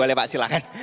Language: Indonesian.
boleh pak silakan